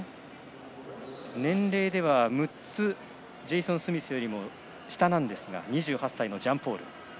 年齢では６つジェイソン・スミスよりも下の２８歳のジャンポール。